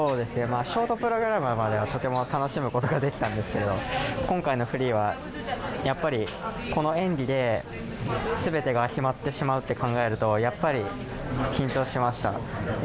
ショートプログラムまではとても楽しむことができたんですけど今回のフリーはやっぱりこの演技で全てが決まってしまうと考えるとやっぱり、緊張しました。